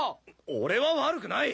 俺は悪くない！